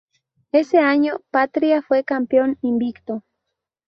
Ese año Patria fue campeón invicto.